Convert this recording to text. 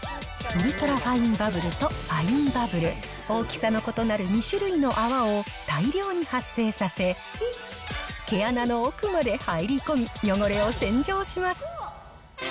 ウルトラファインバブルとファインバブル、大きさの異なる２種類の泡を大量に発生させ、毛穴の奥まで入り込み、汚れを洗浄します。